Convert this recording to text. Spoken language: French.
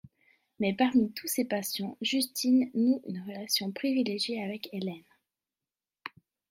Mais parmi tous ses patients, Justine noue une relation privilégiée avec Hélène.